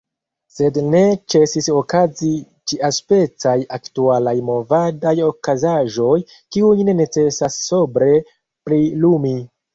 Sed ne ĉesis okazi ĉiaspecaj aktualaj movadaj okazaĵoj, kiujn necesas sobre prilumi.